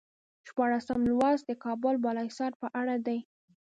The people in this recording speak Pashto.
شپاړسم لوست د کابل بالا حصار په اړه دی.